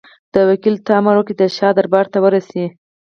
ده وکیل ته امر وکړ چې د شاه دربار ته ورسي.